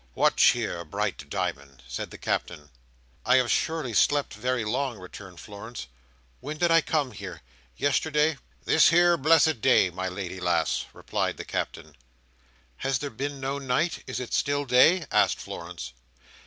"What cheer, bright di'mond?" said the Captain. "I have surely slept very long," returned Florence. "When did I come here? Yesterday?" "This here blessed day, my lady lass," replied the Captain. "Has there been no night? Is it still day?" asked Florence.